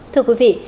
thưa quý vị